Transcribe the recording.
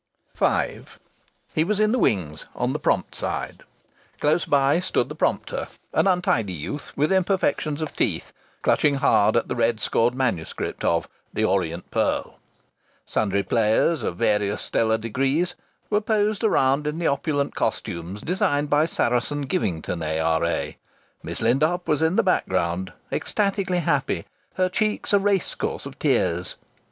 V He was in the wings, on the prompt side. Close by stood the prompter, an untidy youth with imperfections of teeth, clutching hard at the red scored manuscript of "The Orient Pearl." Sundry players, of varying stellar degrees, were posed around in the opulent costumes designed by Saracen Givington, A.R.A. Miss Lindop was in the background, ecstatically happy, her cheeks a race course of tears.